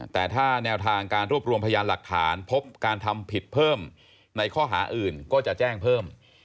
แต่ถ้าแนวทางการรวบรวมพยานหลักฐานพบการทำผิดเพิ่มในข้อหาอื่นก็จะแจ้งเพิ่ม